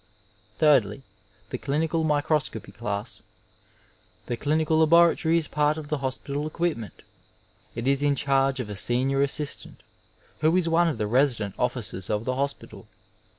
Thirty the clinical microscopy dass. The clinical laboratory is part of the hospital equipment. It is in charge of a senior assistant, who is one of the resident officers of the hospital.